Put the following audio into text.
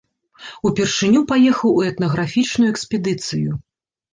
Упершыню паехаў у этнаграфічную экспедыцыю.